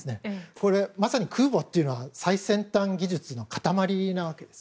これ、まさに空母というのは最先端技術の塊なわけです。